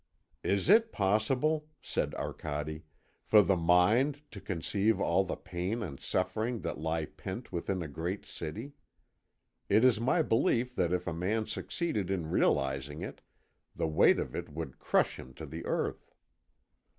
"Is it possible," said Arcade, "for the mind to conceive all the pain and suffering that lie pent within a great city? It is my belief that if a man succeeded in realising it, the weight of it would crush him to the earth."